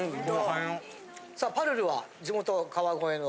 さあぱるるは地元川越の。